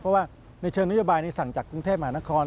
เพราะว่าในเชิงนโยบายนี้สั่งจากกรุงเทพมหานคร